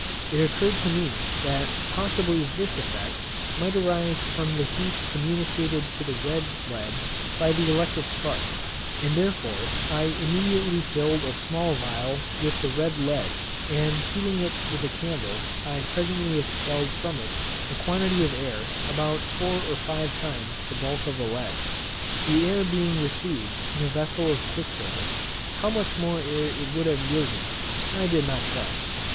It occurred to me, that possibly this effect might arise from the heat communicated to the red lead by the electric sparks, and therefore I immediately filled a small phial with the red lead, and heating it with a candle, I presently expelled from it a quantity of air about four or five times the bulk of the lead, the air being received in a vessel of quicksilver. How much more air it would have yielded, I did not try.